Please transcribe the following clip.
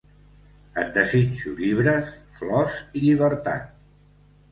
Et desitjo llibres, flors i llibertat.